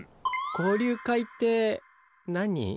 交流会って何？